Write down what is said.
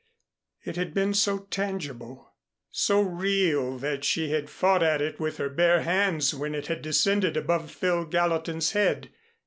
It had been so tangible, so real that she had fought at it with her bare hands when it had descended above Phil Gallatin's head!